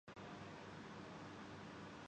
یوں مشروب محض دومنٹوں میں حاصل ہوجاتا ہے۔